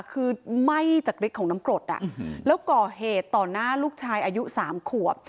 คือไหม้จากฤทธิ์ของน้ำกรดแล้วก่อเหตุต่อหน้าลูกชายอายุ๓ขวบ